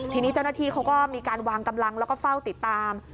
ทีนี้เจ้าหน้าที่เขาก็มีการวางกำลังแล้วก็เฝ้าติดตาม